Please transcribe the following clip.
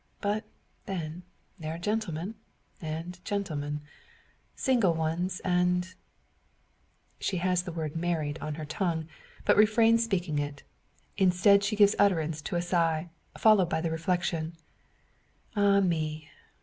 But, then, there are gentlemen, and gentlemen; single ones and " She has the word "married" on her tongue, but refrains speaking it. Instead, she gives utterance to a sigh, followed by the reflection "Ah, me!